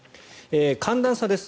寒暖差です。